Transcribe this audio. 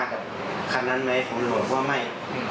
ผมบอกว่าไม่เขาเลยถามจะไปไหนผมบอกว่าจะพาแฟนไปบ้างเขาเลยไม่เชื่อ